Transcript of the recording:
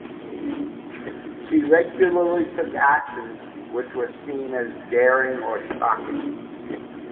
She regularly took actions which were seen as daring or shocking.